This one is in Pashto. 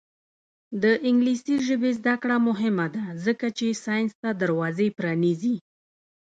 د انګلیسي ژبې زده کړه مهمه ده ځکه چې ساینس ته دروازه پرانیزي.